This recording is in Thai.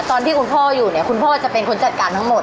ตอนที่คุณพ่ออยู่เนี่ยคุณพ่อจะเป็นคนจัดการทั้งหมด